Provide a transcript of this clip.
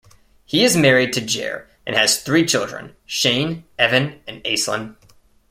He is married to Ger and has three children - Shane, Evan and Aislinn.